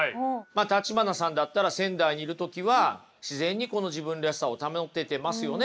橘さんだったら仙台にいる時は自然にこの自分らしさを保ててますよね。